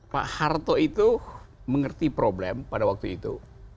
pak harto itu mengerti problem pada waktu itu